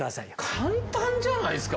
簡単じゃないですか。